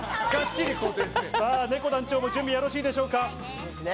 ねこ団長も準備はよろしいでしょうか？